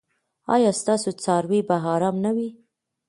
ایا ستاسو څاروي به ارام نه وي؟